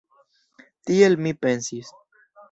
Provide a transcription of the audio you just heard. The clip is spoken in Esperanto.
Tiel mi pensis.